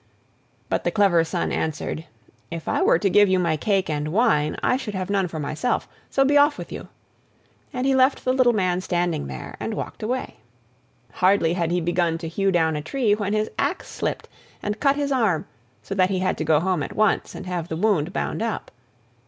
But the clever son answered: "If I were to give you my cake and wine, I should have none for myself, so be off with you," and he left the little man standing there, and walked away. Hardly had he begun to hew down a tree, when his axe slipped and cut his arm, so that he had to go home at once and have the wound bound up.